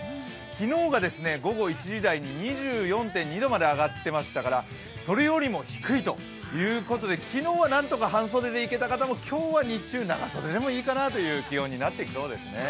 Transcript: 昨日が午後１時台に２４．２度まで上がってましたからそれよりも低いということで昨日はなんとか半袖でいけた方も今日は日中長袖でもいいかなという気温になってきそうですね。